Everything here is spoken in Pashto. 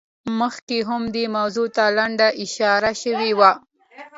مخکې هم دې موضوع ته لنډه اشاره شوې وه.